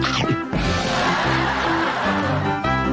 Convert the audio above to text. เจอหรือยังคนที่ใช่